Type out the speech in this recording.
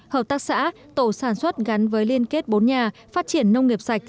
hợp tác xã tổ sản xuất gắn với liên kết bốn nhà phát triển nông nghiệp sạch